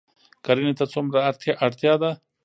کرنې ته څومره اړتیا ده؟